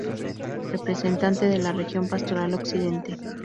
Representante de la región Pastoral Occidente.